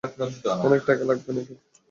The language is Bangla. অনেক টাকা লাগবে, বানি।